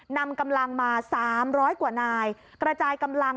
นำกำลังมา๓๐๐กว่านายกระจายกำลัง